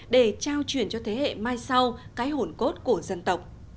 để trao chuyển cho thế hệ mai sau cái hồn cốt của dân tộc